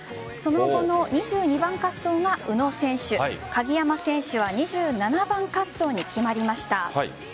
その後の２２番滑走が宇野選手鍵山選手は２７番滑走に決まりました。